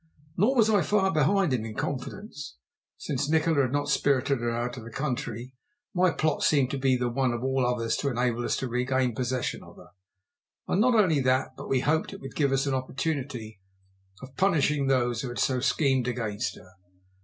Nor was I far behind him in confidence. Since Nikola had not spirited her out of the country my plot seemed the one of all others to enable us to regain possession of her; and not only that, but we hoped it would give us an opportunity of punishing those who had so schemed against her.